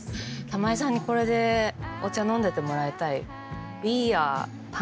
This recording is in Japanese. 玉恵さんにこれでお茶飲んでてもらいたい。